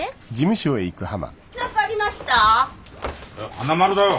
花丸だよ。